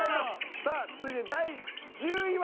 さあ続いて第１０位は。